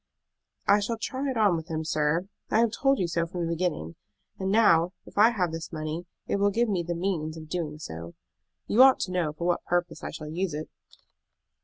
"I shall try it on with him, sir. I have told you so from the beginning; and now if I have this money it will give me the means of doing so. You ought to know for what purpose I shall use it."